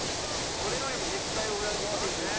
それよりもね期待を裏切っているのが。